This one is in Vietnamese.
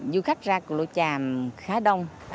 du khách ra cụ lao chàm khá đông